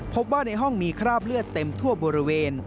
พบว่าในห้องมีคราบเลือดเต็มทั่วบริเวณ